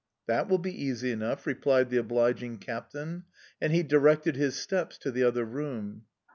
"That will be easy enough," replied the obliging captain, and he directed his steps to the other room.